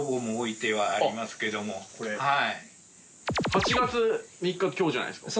８月３日今日じゃないですか。